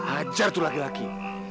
ajar tuh laki laki